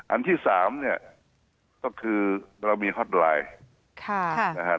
อันที่สามเนี่ยก็คือเรามีฮอตไลน์นะครับ